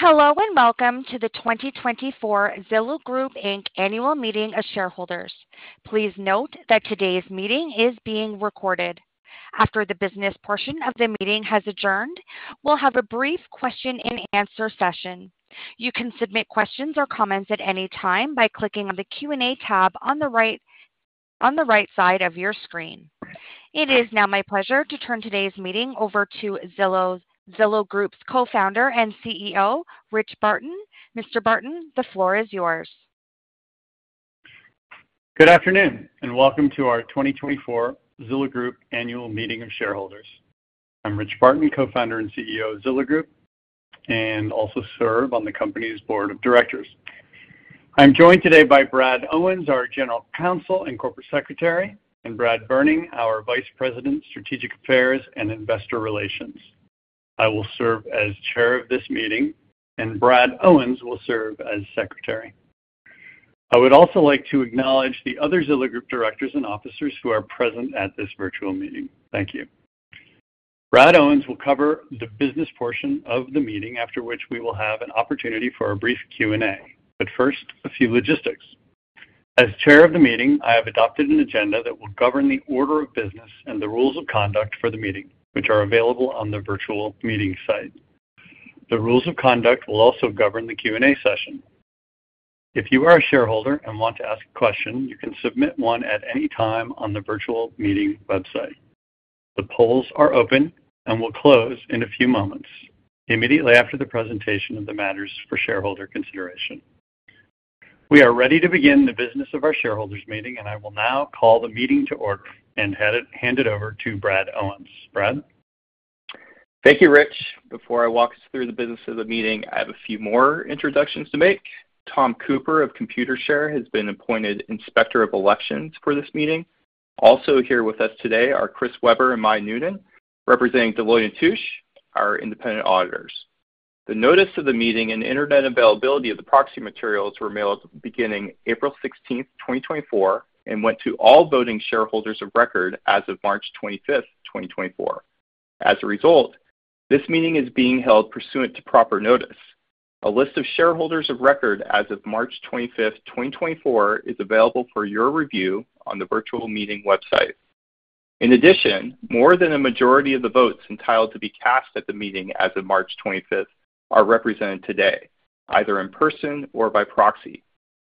Hello, and welcome to the 2024 Zillow Group, Inc Annual Meeting of Shareholders. Please note that today's meeting is being recorded. After the business portion of the meeting has adjourned, we'll have a brief question and answer session. You can submit questions or comments at any time by clicking on the Q&A tab on the right, on the right side of your screen. It is now my pleasure to turn today's meeting over to Zillow Group's Co-founder and CEO, Rich Barton. Mr. Barton, the floor is yours. Good afternoon, and welcome to our 2024 Zillow Group Annual Meeting of Shareholders. I'm Rich Barton, Co-founder and CEO of Zillow Group, and also serve on the company's Board of Directors. I'm joined today by Brad Owens, our General Counsel and Corporate Secretary, and Brad Berning, our Vice President, Strategic Affairs and Investor Relations. I will serve as Chair of this meeting, and Brad Owens will serve as Secretary. I would also like to acknowledge the other Zillow Group Directors and officers who are present at this virtual meeting. Thank you. Brad Owens will cover the business portion of the meeting, after which we will have an opportunity for a brief Q&A. But first, a few logistics. As Chair of the meeting, I have adopted an agenda that will govern the order of business and the rules of conduct for the meeting, which are available on the virtual meeting site. The rules of conduct will also govern the Q&A session. If you are a shareholder and want to ask a question, you can submit one at any time on the virtual meeting website. The polls are open and will close in a few moments, immediately after the presentation of the matters for shareholder consideration. We are ready to begin the business of our shareholders meeting, and I will now call the meeting to order and hand it over to Brad Owens. Brad? Thank you, Rich. Before I walk us through the business of the meeting, I have a few more introductions to make. Tom Cooper of Computershare has been appointed Inspector of Elections for this meeting. Also here with us today are Chris Weber and Mai Noonan, representing Deloitte & Touche, our Independent Auditors. The notice of the meeting and internet availability of the proxy materials were mailed beginning April 16th, 2024, and went to all voting shareholders of record as of March 25th, 2024. As a result, this meeting is being held pursuant to proper notice. A list of shareholders of record as of March 25th, 2024, is available for your review on the virtual meeting website. In addition, more than a majority of the votes entitled to be cast at the meeting as of March 25th are represented today, either in person or by proxy.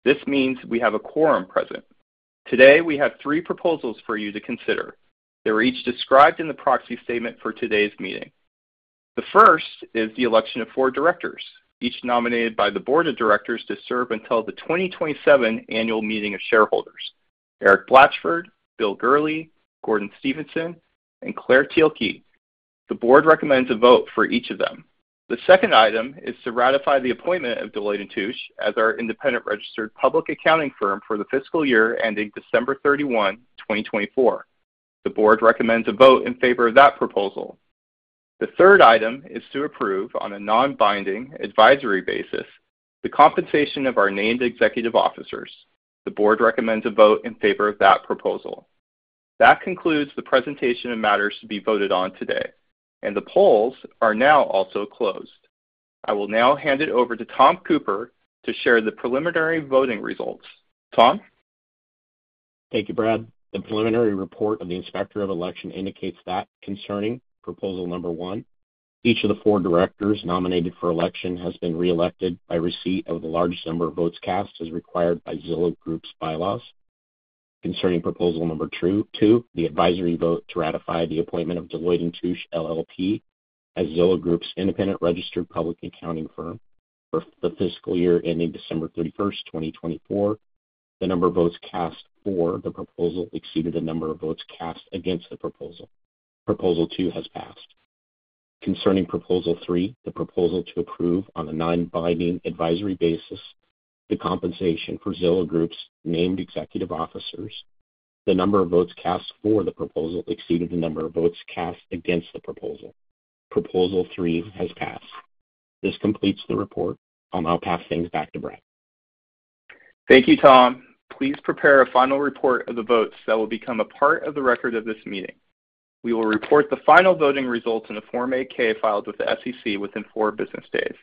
This means we have a quorum present. Today, we have three proposals for you to consider. They're each described in the proxy statement for today's meeting. The first is the election of four directors, each nominated by the Board of Directors to serve until the 2027 Annual Meeting of Shareholders: Erik Blachford, Bill Gurley, Gordon Stephenson, and Claire Thielke. The Board recommends a vote for each of them. The second item is to ratify the appointment of Deloitte & Touche as our independent registered public accounting firm for the fiscal year ending December 31, 2024. The Board recommends a vote in favor of that proposal. The third item is to approve, on a non-binding advisory basis, the compensation of our named executive officers. The Board recommends a vote in favor of that proposal. That concludes the presentation of matters to be voted on today, and the polls are now also closed. I will now hand it over to Tom Cooper to share the preliminary voting results. Tom? Thank you, Brad. The preliminary report of the Inspector of Elections indicates that concerning proposal number one, each of the four directors nominated for election has been reelected by receipt of the largest number of votes cast, as required by Zillow Group's bylaws. Concerning proposal number two, the advisory vote to ratify the appointment of Deloitte & Touche LLP as Zillow Group's independent registered public accounting firm for the fiscal year ending December 31, 2024, the number of votes cast for the proposal exceeded the number of votes cast against the proposal. Proposal two has passed. Concerning proposal number three, the proposal to approve, on a non-binding advisory basis, the compensation for Zillow Group's named executive officers, the number of votes cast for the proposal exceeded the number of votes cast against the proposal. Proposal three has passed. This completes the report. I'll now pass things back to Brad. Thank you, Tom. Please prepare a final report of the votes that will become a part of the record of this meeting. We will report the final voting results in a Form 8-K filed with the SEC within four business days.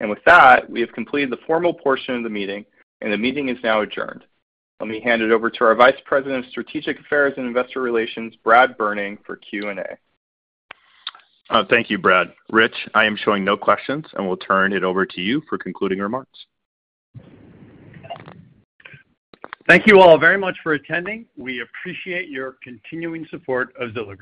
With that, we have completed the formal portion of the meeting, and the meeting is now adjourned. Let me hand it over to our Vice President of Strategic Affairs and Investor Relations, Brad Berning, for Q&A. Thank you, Brad. Rich, I am showing no questions, and we'll turn it over to you for concluding remarks. Thank you all very much for attending. We appreciate your continuing support of Zillow Group.